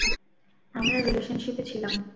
আমরা রিলেশনশিপে ছিলাম।